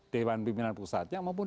dewan pimpinan pusatnya maupun